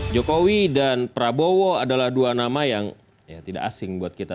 jokowi dan prabowo adalah dua nama yang tidak asing buat kita